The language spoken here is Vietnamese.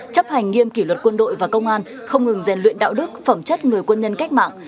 chấp hành nghiêm kỷ luật quân đội và công an không ngừng rèn luyện đạo đức phẩm chất người quân nhân cách mạng